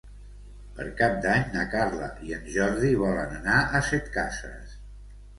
Per Cap d'Any na Carla i en Jordi volen anar a Setcases.